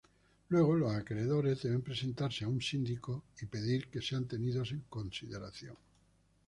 Luego, los acreedores deben presentarse a un síndico y piden ser tenidos en consideración.